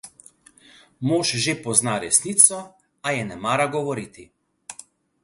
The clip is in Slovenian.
Mož že pozna resnico, a je ne mara govoriti.